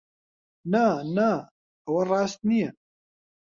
نا، نا! ئەوە ڕاست نییە.